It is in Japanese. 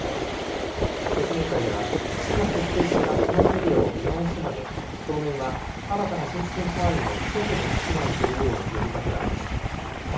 説明会では、市が設定した避難エリアを見直すまで当面は、新たな浸水範囲の外に避難するように呼びかけられました。